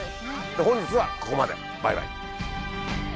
本日はここまでバイバイ！